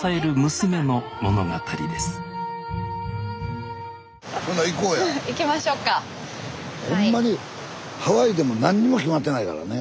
スタジオほんまにハワイでも何にも決まってないからね。